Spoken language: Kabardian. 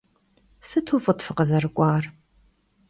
Sıtu f'ıt fıkhızerık'uar.